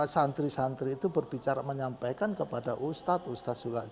santri santri itu berbicara menyampaikan kepada ustadz ustadz juga